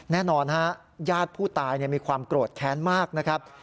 แน่นอนฮะญาติผู้ตายมีความโกรธแค้นมากนะครับ